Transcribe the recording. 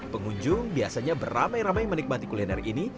pengunjung biasanya beramai ramai menikmati kuliner ini